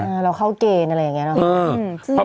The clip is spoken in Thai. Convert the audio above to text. เราเข้าเกณฑ์อะไรอย่างนี้เนอะ